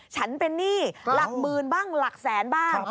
ฉันเป็นหนี้หลักหมื่นบ้างหลักแสนบ้าง